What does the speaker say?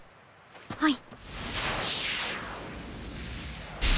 はい。